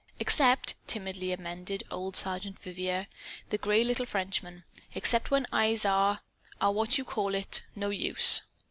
"Except," timidly amended old Sergeant Vivier, the gray little Frenchman, "except when eyes are are what you call it, no use."